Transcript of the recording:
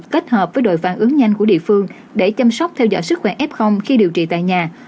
kết hợp với đội phản ứng nhanh của địa phương để chăm sóc theo dõi sức khỏe f khi điều trị tại nhà